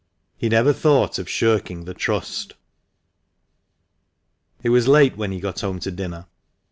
He never thought of shirking the trust. It was late when he got home to dinner.